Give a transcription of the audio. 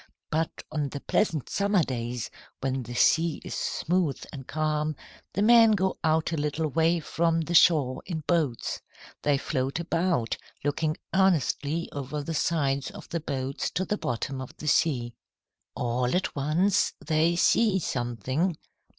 But on the pleasant summer days, when the sea is smooth and calm, the men go out a little way from the shore in boats. They float about, looking earnestly over the sides of the boats to the bottom of the sea. "All at once, they see something.